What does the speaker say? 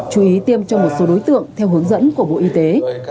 chú ý tiêm cho một số đối tượng theo hướng dẫn của bộ y tế